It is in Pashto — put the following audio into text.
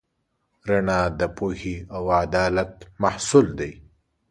رڼا د پوهې او عدالت محصول دی.